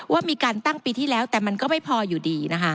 ว่ามีการตั้งปีที่แล้วแต่มันก็ไม่พออยู่ดีนะคะ